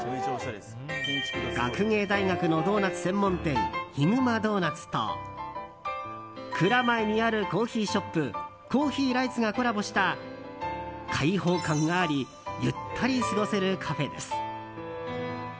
学芸大学のドーナツ専門店ヒグマドーナツと蔵前にあるコーヒーショップコーヒーライツがコラボした開放感がありゆったり過ごせるカフェです。